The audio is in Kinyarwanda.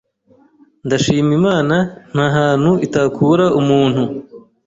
Ndashima Imana nta hantu itakura umuntu